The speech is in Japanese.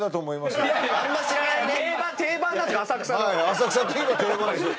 浅草といえば定番です。